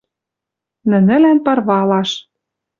Нӹнӹлӓн парвалаш —